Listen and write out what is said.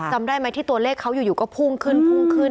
จำได้ไหมที่ตัวเลขเขาอยู่ก็พุ่งขึ้น